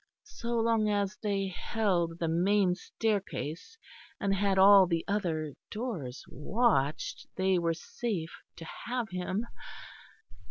So long as they held the main staircase, and had all the other doors watched, they were safe to have him.